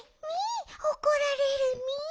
ミおこられるミ。